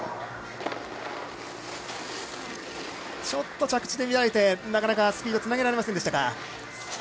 ちょっと着地で乱れてなかなかスピードつなげられませんでしたか。